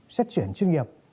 xét chuyển chuyên nghiệp